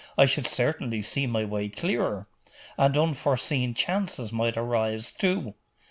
I should certainly see my way clearer.... And unforeseen chances might arise, too